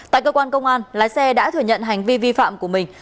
tại cơ quan công an lái xe đã thừa nhận hành vi vi phạm của mình